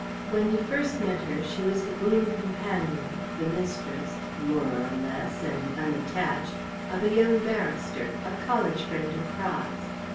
When he first met her she was the boon companion, the mistress more or less, and unattached of a young barrister, a college friend of Praed's.